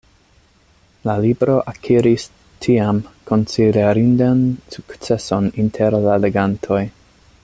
La libro akiris, tiam, konsiderindan sukceson inter la legantoj.